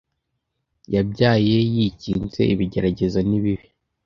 yabyaye yikinze ibigeragezo nibibi